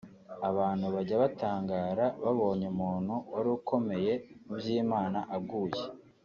Abantu bajya batangara babonye umuntu wari ukomeye mu by’Imana aguye